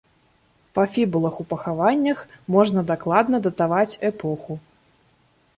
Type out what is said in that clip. Па фібулах у пахаваннях можна дакладна датаваць эпоху.